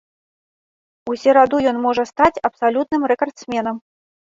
У сераду ён можа стаць абсалютным рэкардсменам.